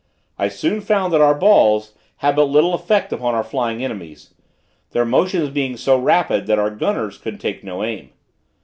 I soon found that our balls had but little effect upon our flying enemies; their motions being so rapid that our gunners could take no aim.